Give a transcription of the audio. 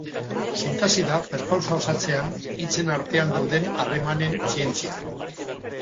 Sintaxi da, perpausa osatzean, hitzen artean dauden harremanen zientzia.